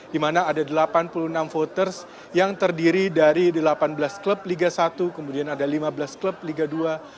di mana ada delapan puluh enam voters yang terdiri dari delapan belas klub liga satu kemudian ada lima belas klub liga dua